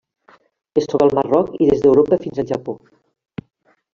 Es troba al Marroc i des d'Europa fins al Japó.